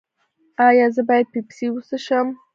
ایا زه باید پیپسي وڅښم؟